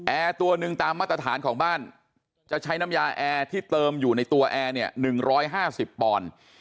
ตัวหนึ่งตามมาตรฐานของบ้านจะใช้น้ำยาแอร์ที่เติมอยู่ในตัวแอร์เนี่ย๑๕๐ปอนด์